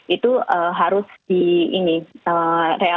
itu harus di ini realokasi anggaran memang perlu diperhatikan